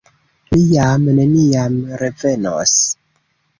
Li jam neniam revenos.